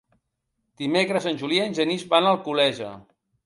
Dimecres en Julià i en Genís van a Alcoleja.